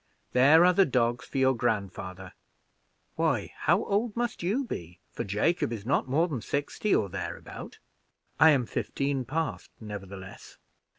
There are the dogs for your grandfather. Why, how old must you be, for Jacob is not more than sixty or thereabout?" "I am fifteen, past, nevertheless."